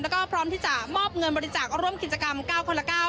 แล้วก็พร้อมที่จะมอบเงินบริจาคร่วมกิจกรรม๙คนละ๙